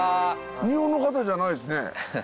日本の方じゃないですね。